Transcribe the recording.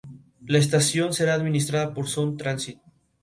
La estación será administrada por Sound Transit.